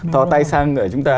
tho tay sang người chúng ta